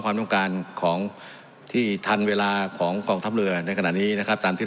ความต้องการของที่ทันเวลาของกองทัพเรือในขณะนี้นะครับตามที่